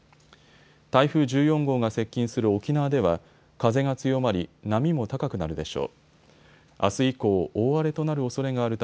台風１４号が接近する沖縄では風が強まり波も高くなるでしょう。